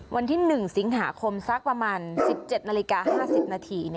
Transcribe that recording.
วันที่๑สิงหาคมสักประมาณ๑๗นาฬิกา๕๐นาที